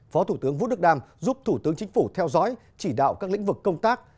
phó thủ tướng vũ đức đam giúp thủ tướng chính phủ theo dõi chỉ đạo các lĩnh vực công tác